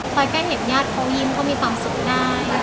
ไปใกล้เห็นญาตุยิ้มออกให้มีความสุขได้